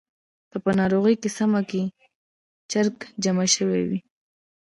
که په ناروغۍ سیمه کې چرک جمع شوی وي.